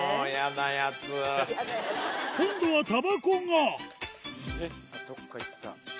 今度はたばこがどっかいった。